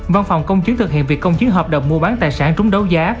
văn phòng công chứng thực hiện việc công chứng hợp đồng mua bán tài sản trúng đấu giá